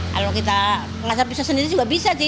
kalau kita mengasar pisau sendiri juga bisa sih